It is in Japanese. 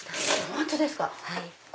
本当ですか。